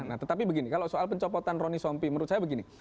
nah tetapi begini kalau soal pencopotan roni sompi menurut saya begini